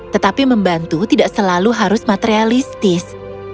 tetapi membantu tidak selalu harus materialistis